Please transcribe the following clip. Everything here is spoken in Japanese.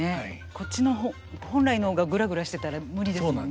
こっちの本来の方がぐらぐらしてたら無理ですもんね。